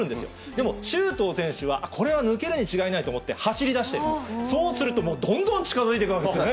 でも周東選手は、これは抜けるに違いないと思って走りだして、そうするともう、どんどん近づいていくわけですよね。